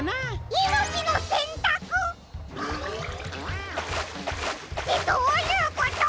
いのちのせんたく！ってどういうこと！？